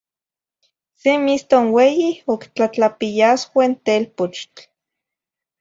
Se miston ueyi octlatlapiyasue telpuchtl.